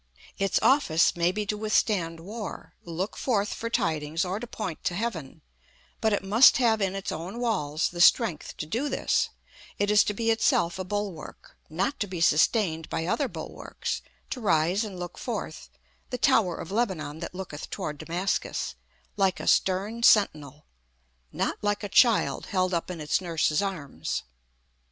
Its office may be to withstand war, look forth for tidings, or to point to heaven: but it must have in its own walls the strength to do this; it is to be itself a bulwark, not to be sustained by other bulwarks; to rise and look forth, "the tower of Lebanon that looketh toward Damascus," like a stern sentinel, not like a child held up in its nurse's arms.